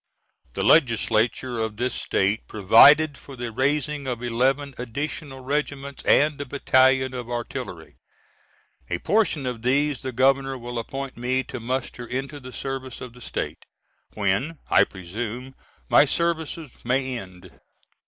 The Legislature of this State provided for the raising of eleven additional regiments and a battalion of artillery; a portion of these the Governor will appoint me to muster into the service of the State, when I presume my services may end.